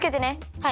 はい。